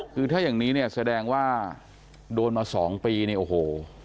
คือถ้าอย่างนี้เนี่ยแสดงว่าโดนมา๒ปีเนี่ยโอ้โห